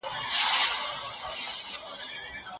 هلته دوړي وې .